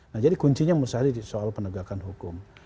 nah jadi kuncinya mesti ada di soal penegakan hukum